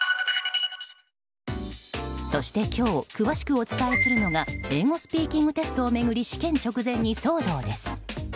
そして今日詳しくお伝えするのが英語スピーキングテストを巡り試験直前に騒動です。